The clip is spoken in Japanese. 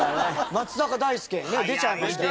松坂大輔出ちゃいましたよ